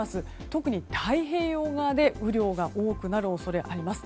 特に太平洋側で雨量が多くなる恐れがあります。